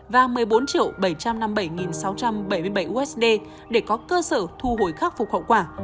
và một mươi bốn bảy trăm năm mươi bảy sáu trăm bảy mươi bảy usd để có cơ sở thu hồi khắc phục hậu quả